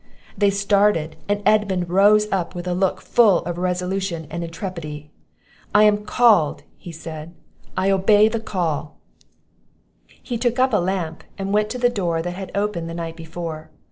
They started, and Edmund rose up with a look full of resolution and intrepidity. "I am called!" said he; "I obey the call!" He took up a lamp, and went to the door that he had opened the night before.